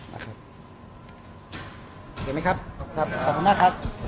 เห็นไหมครับขอบคุณมากครับ